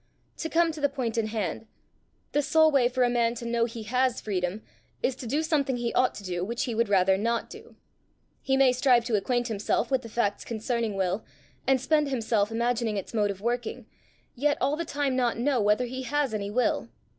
To come to the point in hand: the sole way for a man to know he has freedom is to do something he ought to do, which he would rather not do. He may strive to acquaint himself with the facts concerning will, and spend himself imagining its mode of working, yet all the time not know whether he has any will."